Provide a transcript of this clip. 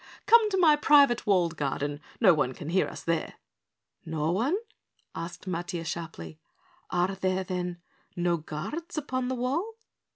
"Come to my private walled garden. No one can hear us there." "No one?" asked Matiah sharply. "Are there then no guards upon the wall?"